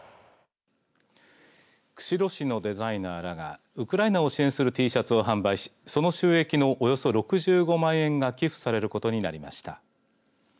釧路市のデザイナーらがウクライナを支援するＴシャツを販売しその収益のおよそ６５万円が寄付されることになりました。